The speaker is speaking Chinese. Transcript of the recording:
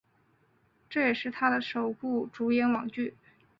这也是他的首部主演网剧。